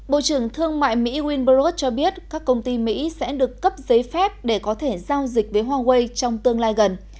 bộ trưởng thương mại mỹ winbrod cho biết các công ty mỹ sẽ được cấp giấy phép để có thể giao dịch với huawei trong tương lai gần